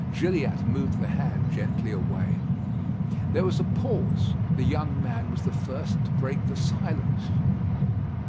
Gilliatt moved the hand gently away. There was a pause. The young man was the first to break the silence.